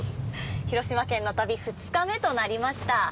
「広島県の旅」２日目となりました。